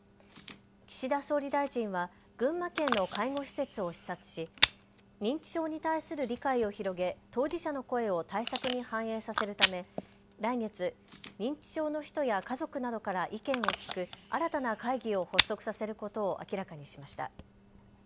岸田総理大臣は群馬県の介護施設を視察し認知症に対する理解を広げ当事者の声を対策に反映させるため、来月、認知症の人や家族などから意見を聞く新たな会議を発足させることを明らかにしました。